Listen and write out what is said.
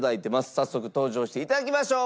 早速登場して頂きましょう。